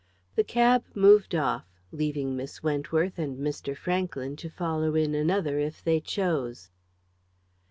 The cab moved off, leaving Miss Wentworth and Mr. Franklyn to follow in another if they chose.